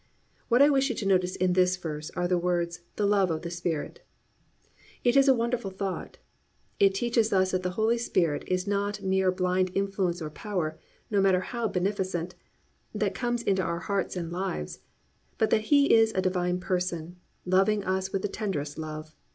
"+ What I wish you to notice in this verse are the words "The love of the Spirit." It is a wonderful thought. It teaches us that the Holy Spirit is not a mere blind influence or power, no matter how beneficent, that comes into our hearts and lives, but that He is a Divine Person, loving us with the tenderest love.